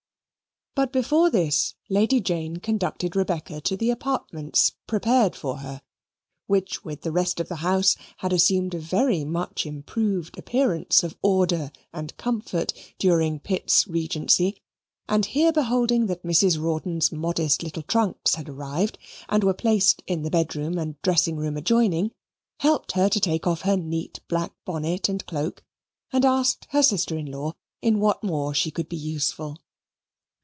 But before this, Lady Jane conducted Rebecca to the apartments prepared for her, which, with the rest of the house, had assumed a very much improved appearance of order and comfort during Pitt's regency, and here beholding that Mrs. Rawdon's modest little trunks had arrived, and were placed in the bedroom and dressing room adjoining, helped her to take off her neat black bonnet and cloak, and asked her sister in law in what more she could be useful.